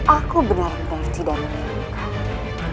aku benar benar tidak memiliki